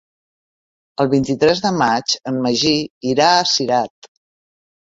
El vint-i-tres de maig en Magí irà a Cirat.